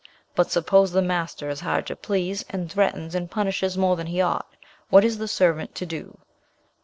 But suppose the master is hard to please, and threatens and punishes more than he ought, what is the servant to do?